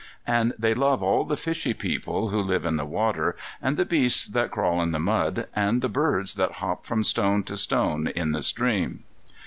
And they love all the fishy people who live in the water, and the beasts that crawl in the mud, and the birds that hop from stone to stone in the stream.